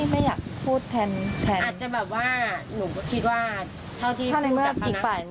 คาดว่าผู้ตายเขาอาจจะแบบยั่วยุหรืออะไรหรือเปล่า